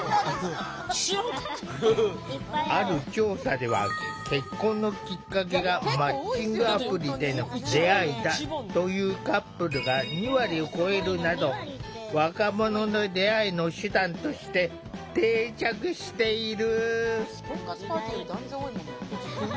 ある調査では、結婚のきっかけがマッチングアプリでの出会いだというカップルが２割を超えるなど若者の出会いの手段として定着している。